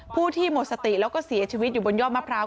ผู้ที่หมดสติแล้วก็เสียชีวิตอยู่บนยอดมะพร้าว